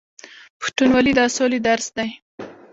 پښتونولي د سولې درس دی.